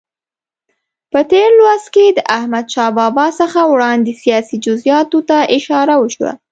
په تېر لوست کې د احمدشاه بابا څخه وړاندې سیاسي جزئیاتو ته اشاره وشوه.